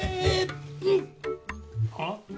あっ？